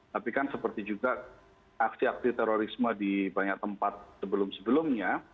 tapi kan seperti juga aksi aksi terorisme di banyak tempat sebelum sebelumnya